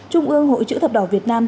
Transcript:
trung ương hội chữ thập đỏ việt nam